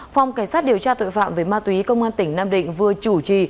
phòng cảnh sát điều tra tội phạm về ma túy công an tỉnh nam định vừa chủ trì